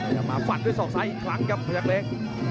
จะมาฟันด้วยศอกซ้ายอีกครั้งครับพยักษ์เล็ก